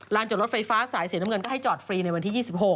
จอดรถไฟฟ้าสายสีน้ำเงินก็ให้จอดฟรีในวันที่๒๖